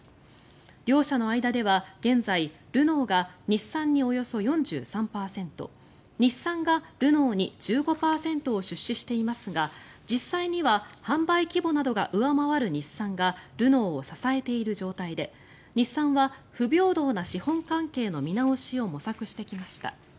両社の間では、現在ルノーが日産におよそ４３％日産がルノーに１５％を出資していますが実際には販売規模などが上回る日産がルノーを支えている状態で日産は不平等な資本関係の見直しを模索してきました。